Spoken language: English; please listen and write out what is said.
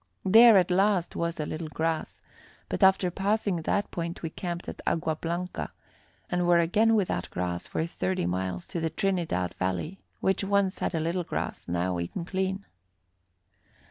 There, at last, was a little grass, but after passing that point we camped at Agua Blanca, and were again without grass for thirty miles to the Trinidad Valley, which once had a little grass, now eaten clean.